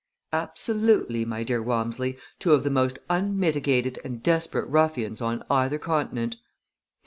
"Absolutely, my dear Walmsley, two of the most unmitigated and desperate ruffians on either continent!"